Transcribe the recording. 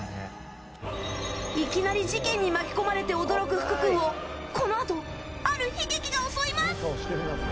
いきなり事件に巻き込まれて驚く福君をこのあと、ある悲劇が襲います。